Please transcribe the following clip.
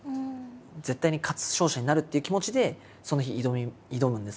絶対に勝つ勝者になるという気持ちでその日挑むんですけ